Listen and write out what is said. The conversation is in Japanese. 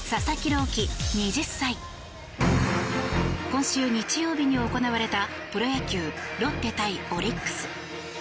今週日曜日に行われたプロ野球ロッテ対オリックス。